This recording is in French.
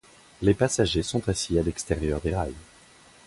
Les passagers sont assis à l'extérieur des rails.